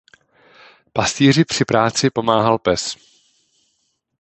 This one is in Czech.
Pastýři při práci pomáhal pes.